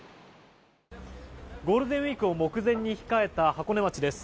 ゴールデンウィークを目前に控えた箱根町です。